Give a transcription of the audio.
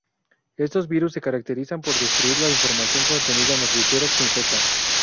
Estos virus se caracterizan por destruir la información contenida en los ficheros que infectan.